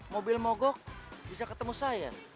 mobil mogok bisa ketemu saya